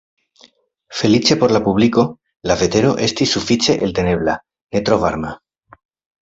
Feliĉe por la publiko, la vetero estis sufiĉe eltenebla, ne tro varma.